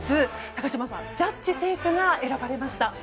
高島さん、ジャッジ選手が選ばれました。